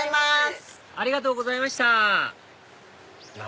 ありがとうございましたな